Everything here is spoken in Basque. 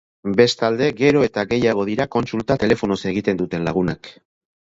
Bestalde, gero eta gehiago dira kontsulta telefonoz egiten duten lagunak.